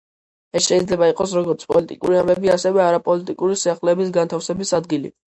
ეს შეიძლება იყოს, როგორც პოლიტიკური ამბები, ასევე არაპოლიტიკური სიახლეების განთავსების ადგილი.